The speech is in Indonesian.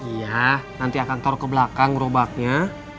iya nanti akan tor ke belakang gerobaknya